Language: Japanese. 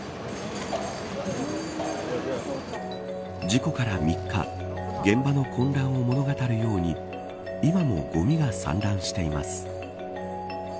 事故から３日、現場の混乱を物語るように今も、ごみが散乱しています。